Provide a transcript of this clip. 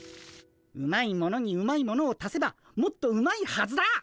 うまいものにうまいものを足せばもっとうまいはずだ！